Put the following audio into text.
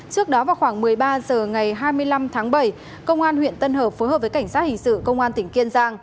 trước đó vào khoảng một mươi ba h ngày hai mươi năm tháng bảy công an huyện tân hợp phối hợp với cảnh sát hình sự công an tỉnh kiên giang